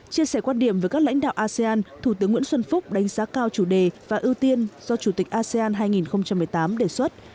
chia sẻ quan điểm với các lãnh đạo asean thủ tướng nguyễn xuân phúc đánh giá cao chủ đề và ưu tiên do chủ tịch asean hai nghìn một mươi tám đề xuất